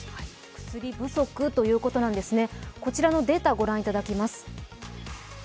薬不足ということなんですね。